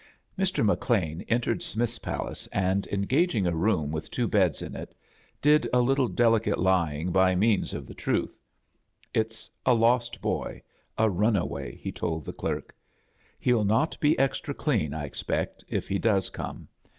Mr. ncLeaa entered Smith's Palace, and, engaging a room with two beds lo it, did a little delicate lying by means of the truth. "It's a lost boy — a runaway," he told the clerk, "He'll not be extra clean, I expect, if he does come.